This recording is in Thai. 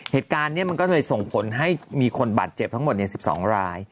เหตุการณ์นี้มันก็เลยส่งผลให้มีคนบาดเจ็บทั้งหมด๑๒ราย